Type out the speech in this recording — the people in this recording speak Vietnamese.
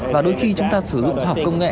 và đôi khi chúng ta sử dụng khoa học công nghệ